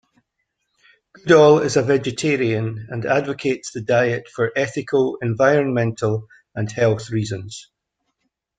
Goodall is a vegetarian and advocates the diet for ethical, environmental, and health reasons.